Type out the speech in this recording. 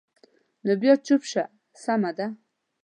نو بیا چوپ شه، سمه ده.